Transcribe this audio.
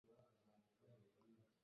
mumeshuri cyene cyene ebenze n’eyisumbuye